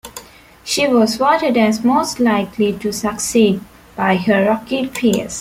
She was voted as "most likely to succeed" by her Rockette peers.